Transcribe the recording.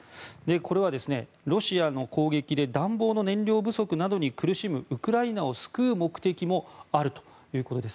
これはロシアの攻撃で暖房の燃料不足などに苦しむウクライナを救う目的もあるということです。